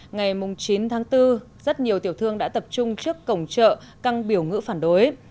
ngày chín tháng bốn rất nhiều tiểu thương đã tập trung trước cổng chợ căng biểu ngữ phản đối